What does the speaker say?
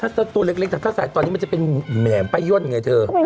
ถ้าตัวเล็กแต่ถ้าสายตอนนี้มันจะเป็นแหมป้าย่นไงเธอ